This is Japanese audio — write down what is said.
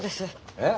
えっ？